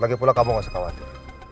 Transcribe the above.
lagi pula kamu gak usah khawatir